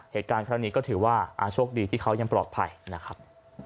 เหตุการณ์ครั้งนี้ก็ถือว่าโชคดีที่เขายังปลอดภัยนะครับ